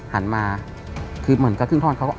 หันมาคือเหมือนกับครึ่งท่อนเขาก็